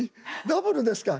ダブルですか！